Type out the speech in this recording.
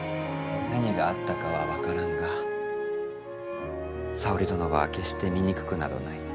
何があったかは分からんが沙織殿は決して醜くなどない。